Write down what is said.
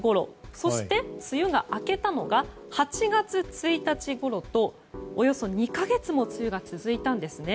そして、梅雨が明けたのは８月１日ごろとおよそ２か月も梅雨が続いたんですね。